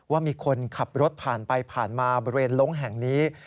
ว่ามีคนขับรถผ่านไปผ่านมาบริเวณล้งแห่งนี้